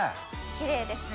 きれいですね。